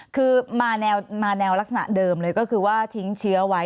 คือมาแนวลักษณะเดิมเลยก็คือว่าทิ้งเชื้อไว้